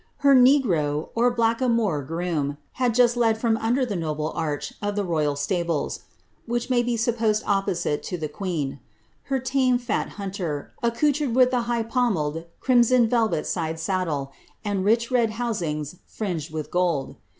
Her negro, or black a moor groom, had just led from under the noble arch of the royal stables, (which may be sup posed opposite to the queen,) her tame fat hunter, accoutred with the nigli pommelled crimson velvet side saddle, and rich red housings fringed with gold.